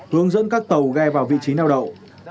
hướng dẫn các tàu ghe vào vị trí neo đậu